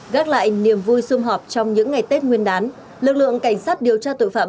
gác lại niềm vui xung họp trong những ngày tết nguyên đán lực lượng cảnh sát điều tra tội phạm